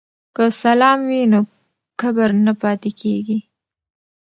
که سلام وي نو کبر نه پاتیږي.